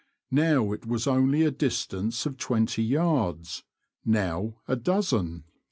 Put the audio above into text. Now it was only a distance of twenty yards — now a dozen.